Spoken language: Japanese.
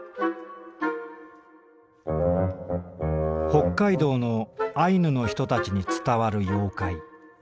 「北海道のアイヌの人たちに伝わる妖怪。